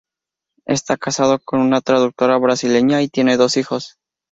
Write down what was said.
Está casado con una traductora brasileña y tiene dos hijos.